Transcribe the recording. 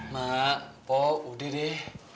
mak pok udah deh